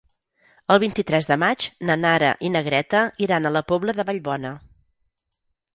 El vint-i-tres de maig na Nara i na Greta iran a la Pobla de Vallbona.